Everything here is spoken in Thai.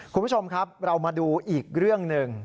คุณผู้ชมครับเรามาดูอีกเรื่องหนึ่ง